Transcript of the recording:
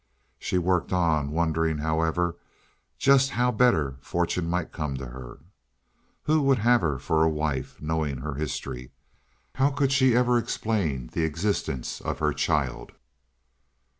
She worked on, wondering, however, just how better fortune might come to her. Who would have her to wife knowing her history? How could she ever explain the existence of her child?